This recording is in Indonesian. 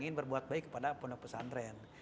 ingin berbuat baik kepada ponok pesan tren